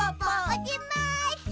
おります！